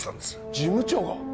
事務長が？